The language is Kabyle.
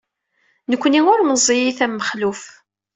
Nekkni ur meẓẓiyit am Mexluf.